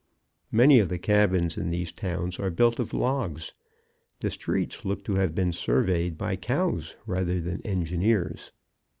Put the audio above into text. Many of the cabins in these towns are built of logs; the streets look to have been surveyed by cows rather than engineers.